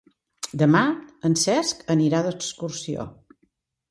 Demà en Cesc anirà d'excursió.